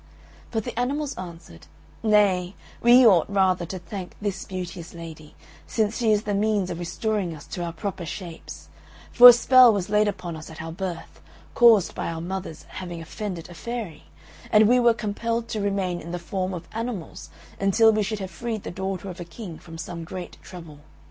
But the animals answered, "Nay, we ought rather to thank this beauteous lady, since she is the means of restoring us to our proper shapes; for a spell was laid upon us at our birth, caused by our mother's having offended a fairy, and we were compelled to remain in the form of animals until we should have freed the daughter of a King from some great trouble.